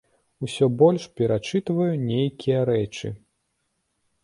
Усё больш перачытваю нейкія рэчы.